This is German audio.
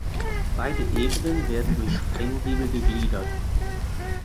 Beide Ebenen werden durch Sprenggiebel gegliedert.